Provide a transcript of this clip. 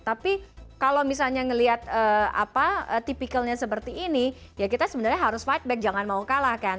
tapi kalau misalnya melihat tipikalnya seperti ini ya kita sebenarnya harus fight back jangan mau kalah kan